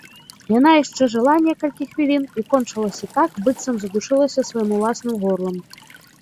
Яна яшчэ жыла некалькі хвілін і кончылася так, быццам задушылася сваім уласным горлам.